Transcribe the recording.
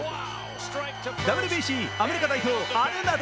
ＷＢＣアメリカ代表、アレナド。